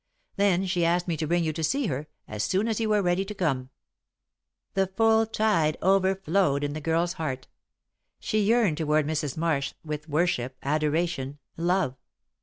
Then she asked me to bring you to see her, as soon as you were ready to come." The full tide overflowed in the girl's heart. She yearned toward Mrs. Marsh with worship, adoration, love.